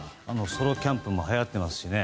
ソロキャンプもはやってますしね。